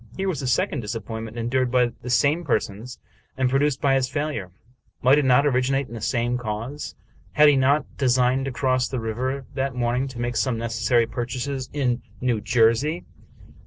Here was a second disappointment endured by the same persons, and produced by his failure. Might it not originate in the same cause? Had he not designed to cross the river that morn ing to make some necessary purchases in New Jersey?